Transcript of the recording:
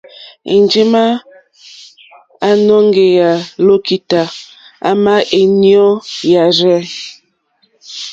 Enjema a nɔ̀ŋgeya lokità, àma è nyoò yàrzɛ.